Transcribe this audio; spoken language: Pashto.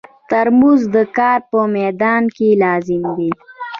ترموز د کار په مېدان کې لازم دی.